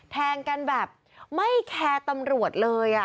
แทงกันแบบไม่แคร์ตำรวจเลย